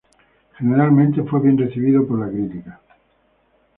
Generalmente fue bien recibida por los críticos.